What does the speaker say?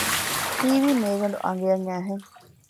ހީވީ މޭގަނޑު އަނގަޔަށް އައިހެން